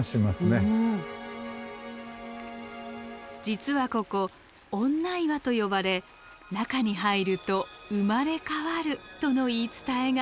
実はここ女岩と呼ばれ中に入ると生まれ変わるとの言い伝えが。